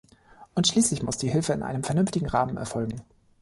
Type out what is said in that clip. Und schließlich muss die Hilfe in einem vernünftigen Rahmen erfolgen.